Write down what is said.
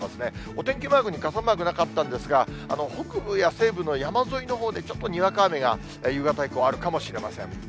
お天気マークに傘マークなかったんですが、北部や西部の山沿いのほうでちょっとにわか雨が、夕方以降、あるかもしれません。